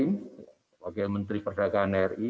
sebagai menteri perdagangan ri